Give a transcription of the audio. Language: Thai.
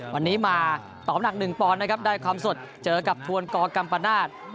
วันนี้มาตอบหนัก๑ปอนด์นะครับได้ความสดเจอกับทวนกกัมปนาศ